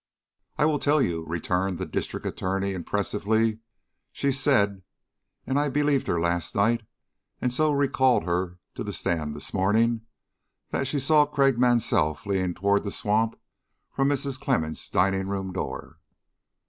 "I will tell you," returned the District Attorney, impressively. "She said and I believed her last night and so recalled her to the stand this morning that she saw Craik Mansell fleeing toward the swamp from Mrs. Clemmens' dining room door."